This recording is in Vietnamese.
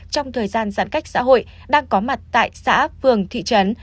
trong thời gian giãn cách xã hội đang có mặt tại xã phường thị trấn